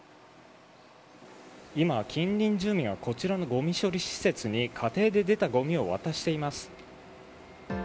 今、近隣住民がこちらのごみ処理施設に家庭で出たごみを渡しています。